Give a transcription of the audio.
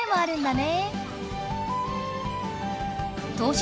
ね。